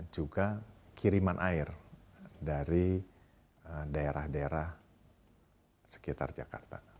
juga kiriman air dari daerah daerah sekitar jakarta